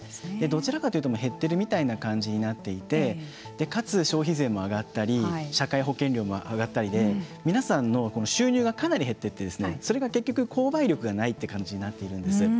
どちらかというと減っているみたいな感じになっていてかつ消費税も上がったり社会保険料も上がったりで皆さんの収入がかなり減っていってそれが結局購買力がないという感じになっているんです。